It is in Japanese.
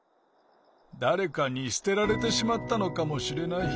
だれかにすてられてしまったのかもしれない。